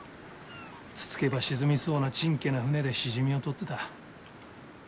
つつけば沈みそうなちんけな船でシジミを取ってた。